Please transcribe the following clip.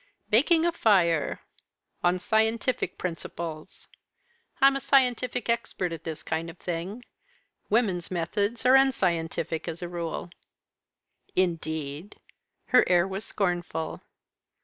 "Making a fire on scientific principles. I'm a scientific expert at this kind of thing. Women's methods are unscientific as a rule." "Indeed." Her air was scornful.